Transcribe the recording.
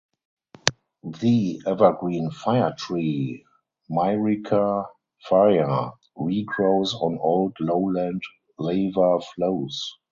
The evergreen fire tree ("Myrica faya") regrows on old lowland lava flows.